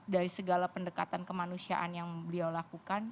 dari segala pendekatan kemanusiaan yang beliau lakukan